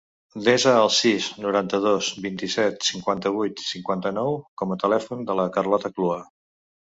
Desa el sis, noranta-dos, vint-i-set, cinquanta-vuit, cinquanta-nou com a telèfon de la Carlota Clua.